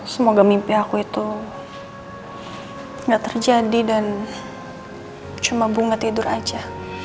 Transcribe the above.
semoga mimpi aku itu gak terjadi dan cuma bunga tidur aja